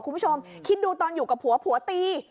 คุณผู้ชมคิดดูตอนอยู่กับผัวผัวตี